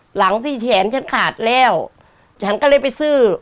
หลังที่แขนฉันขาดแล้วฉันก็เลยไปซื้อ